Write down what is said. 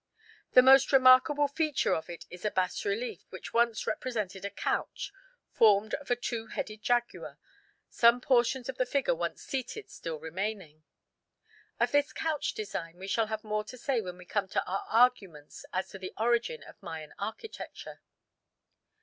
The most remarkable feature of it is a bas relief which once represented a couch, formed of a two headed jaguar, some portions of the figure once seated still remaining. Of this couch design we shall have more to say when we come to our arguments as to the origin of Mayan architecture.